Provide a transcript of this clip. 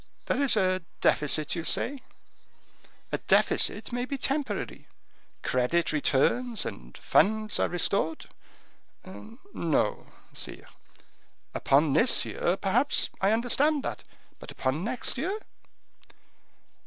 There is a deficit, you say? A deficit may be temporary; credit returns and funds are restored." "No, sire." "Upon this year, perhaps, I understand that; but upon next year?"